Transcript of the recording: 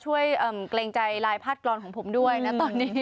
เกรงใจลายพาดกรอนของผมด้วยนะตอนนี้